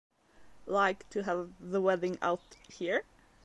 Like to have the wedding out here?